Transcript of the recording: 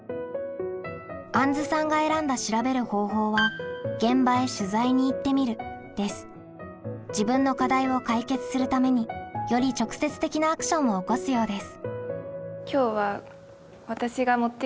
あんずさんが選んだ調べる方法は自分の課題を解決するためにより直接的なアクションを起こすようです。